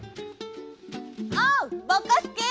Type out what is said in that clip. おうぼこすけ！